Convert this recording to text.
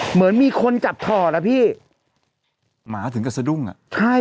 เหมือนมีคนจับถ่อล่ะพี่หมาถึงก็สะดุ้งอ่ะใช่